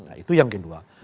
nah itu yang kedua